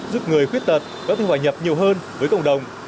giúp người khuyết tật có thể hòa nhập nhiều hơn với cộng đồng